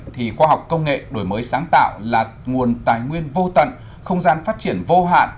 thì khoa học công nghệ đổi mới sáng tạo là nguồn tài nguyên vô tận không gian phát triển vô hạn